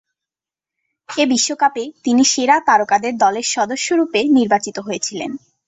এ বিশ্বকাপে তিনি সেরা তারকাদের দলের সদস্যরূপে নির্বাচিত হয়েছিলেন।